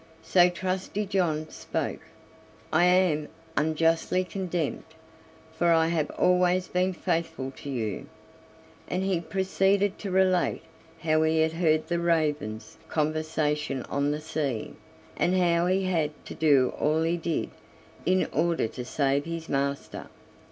So Trusty John spoke: "I am unjustly condemned, for I have always been faithful to you"; and he proceeded to relate how he had heard the ravens' conversation on the sea, and how he had to do all he did in order to save his master.